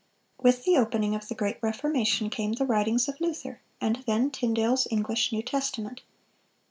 With the opening of the Great Reformation came the writings of Luther, and then Tyndale's English New Testament.